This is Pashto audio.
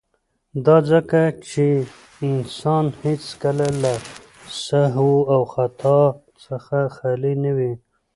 ، دا ځکه چې انسان هيڅکله د سهو او خطا څخه خالي نه وي.